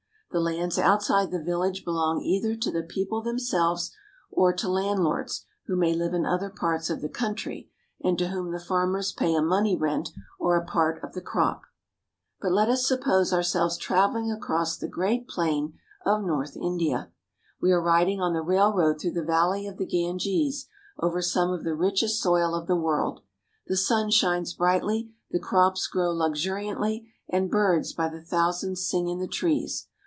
The lands outside the village belong either to the people themselves or to landlords who may live in other parts of the country and to whom the farmers pay a money rent or a part of the crop. But let us suppose ourselves traveling across the great plain of north India. We are riding on the railroad through the valley of the Ganges over some of the richest soil of the world. The sun shines brightly, the crops grow luxuriantly, and birds by the thousands sing in the trees.